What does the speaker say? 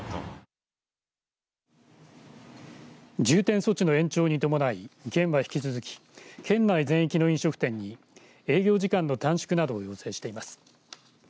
重点措置の延長に伴い県内は、引き続き県内全域の飲食店に営業時間の短縮などを要請しています。